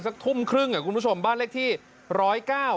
สักทุ่มครึ่งอ่ะคุณผู้ชมบ้านเลขที่ร้อยเก้า